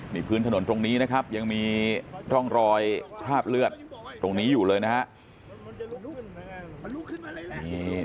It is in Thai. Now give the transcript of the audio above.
นี่พื้นถนนตรงนี้นะครับยังมีร่องรอยคราบเลือดตรงนี้อยู่เลยนะครับ